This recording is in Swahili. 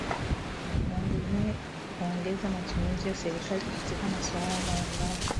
wa kuongeza matumizi ya serikali katika masuala mbalimbali